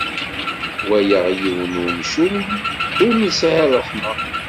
Walaɣ yiwen n umcum ur nesɛi ṛṛeḥma.